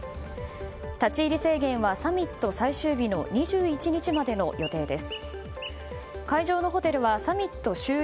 立ち入り制限はサミット最終日の２１日までの予定です。